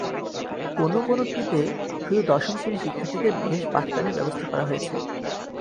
কোনো কোনেটিতে শুধু দশম শ্রেণীর শিক্ষার্থীদের বিশেষ পাঠদানের ব্যবস্থা করা হয়েছে।